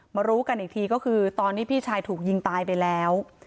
รู้กันอีกทีก็คือตอนนี้พี่ชายถูกยิงตายไปแล้ว